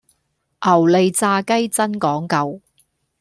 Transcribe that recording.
牛脷炸雞真講究